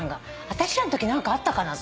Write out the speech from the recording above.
私らのとき何かあったかな？